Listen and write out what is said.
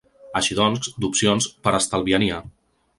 Així doncs, d’opcions per a estalviar n’hi ha.